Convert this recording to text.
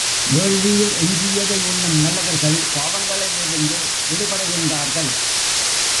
வேள்வியில் எஞ்சியதை உண்ணும் நல்லவர்கள் பாவங்களிலிருந்து விடுபடுகின்றார்கள்.